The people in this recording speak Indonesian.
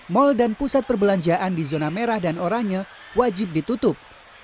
mal dan pusat perbelanjaan di zona merah dan oranye wajib ditutup